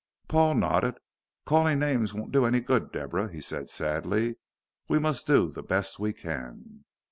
Paul nodded. "Calling names won't do any good, Deborah," he said sadly; "we must do the best we can."